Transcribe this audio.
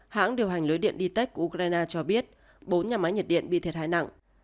hãng điều hành lưới điện dtech của ukraine cho biết bốn nhà máy nhiệt điện bị thiệt hại nặng